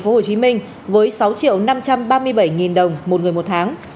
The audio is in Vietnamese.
thứ hai là thành phố hồ chí minh với sáu năm trăm ba mươi bảy đồng một người một tháng